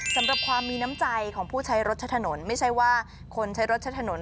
สำหรับความมีน้ำใจของผู้ใช้รถใช้ถนนไม่ใช่ว่าคนใช้รถใช้ถนน